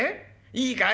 いいかい？